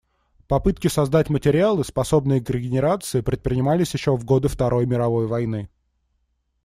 Попытки создать материалы, способные к регенерации, предпринимались ещё в годы Второй мировой войны.